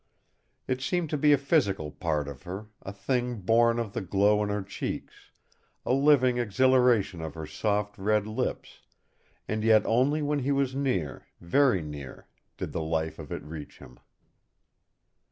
It seemed to be a physical part of her, a thing born of the glow in her cheeks, a living exhalation of her soft red lips and yet only when he was near, very near, did the life of it reach him.